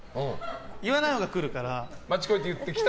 言わないほうが来るから。